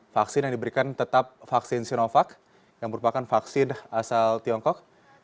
vaksin yang diberikan tetap vaksin sinovac yang merupakan vaksin asal tiongkok